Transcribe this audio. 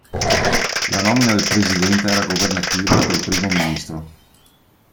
La nomina del Presidente era governativa, del primo ministro.